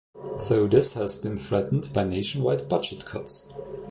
Though this has been threatened by nationwide budget cuts.